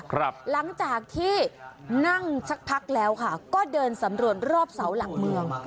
หลังจากที่นั่งสักพักแล้วค่ะก็เดินสำรวจรอบเสาหลักเมือง